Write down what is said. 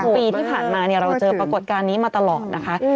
ปีที่ผ่านมาเราเจอปรากฏการณ์นี้มาตลอดนะคะ